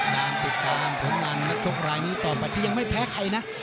ติดตามติดตามผู้นำนักชกรายนี้ต่อปัจจุยังไม่แพ้ใครนะ